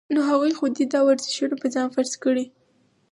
نو هغوي خو دې دا ورزشونه پۀ ځان فرض کړي -